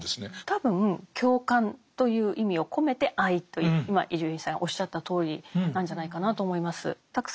多分共感という意味を込めて愛という今伊集院さんがおっしゃったとおりなんじゃないかなと思います。